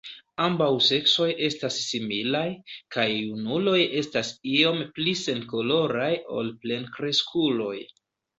Ambaŭ seksoj estas similaj, kaj junuloj estas iom pli senkoloraj ol plenkreskuloj.